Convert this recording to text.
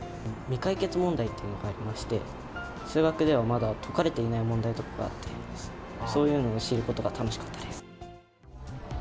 未解決問題というのがありまして、数学では、まだ解かれていない問題とかがあって、そういうのを知ることが楽しかったです。